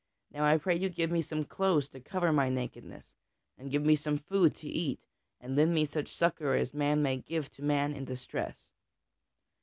Now I pray you, give me some clothes to cover my nakedness, and give me some food to eat, and lend me such succor as man may give to man in distress."